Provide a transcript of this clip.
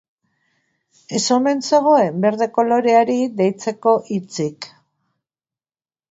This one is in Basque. Ez omen zegoen berde koloreari deitzeko hitzik.